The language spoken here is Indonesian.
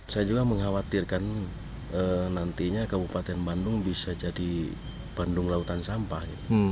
saya juga mengkhawatirkan nantinya kabupaten bandung bisa jadi bandung lautan sampah